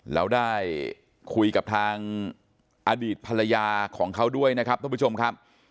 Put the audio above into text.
แล้วได้คุยกับทางอดีตภรรยาของเขาด้วยนะครับท่านผู้ชมครับ